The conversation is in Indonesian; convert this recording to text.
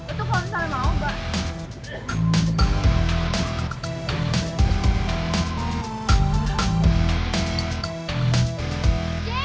itu kalau misalnya mau mbak